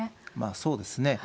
そうですね。